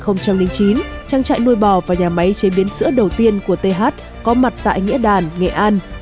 năm hai nghìn chín trang trại nuôi bò và nhà máy chế biến sữa đầu tiên của th có mặt tại nghĩa đàn nghệ an